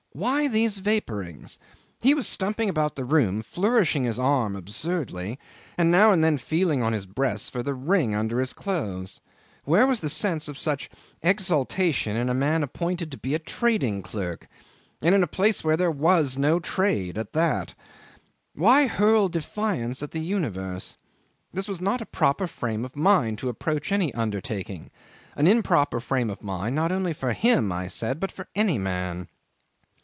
Why these vapourings? He was stumping about the room flourishing his arm absurdly, and now and then feeling on his breast for the ring under his clothes. Where was the sense of such exaltation in a man appointed to be a trading clerk, and in a place where there was no trade at that? Why hurl defiance at the universe? This was not a proper frame of mind to approach any undertaking; an improper frame of mind not only for him, I said, but for any man.